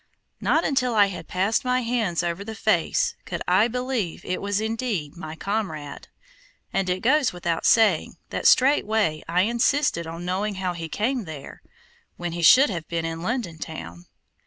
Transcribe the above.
Not until I had passed my hands over the face could I believe it was indeed my comrade, and it goes without saying that straightway I insisted on knowing how he came there, when he should have been in London town.